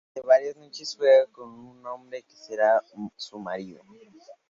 Durante varias noches sueña con un hombre que será su marido.